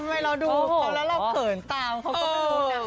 เราดูเขาแล้วเราเขินตามเขาก็ไม่รู้นะ